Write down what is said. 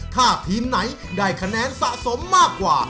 ถ้าทีมไหนได้คะแนนสะสมมากกว่า